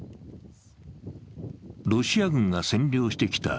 ロシア軍が占領してきた